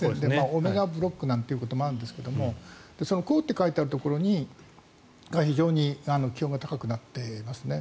オメガブロックなんて言うこともあるんですけど「高」って書いてあるところが非常に気温が高くなっていますね。